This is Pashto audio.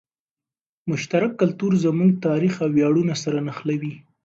مشترک کلتور زموږ تاریخ او ویاړونه سره نښلوي.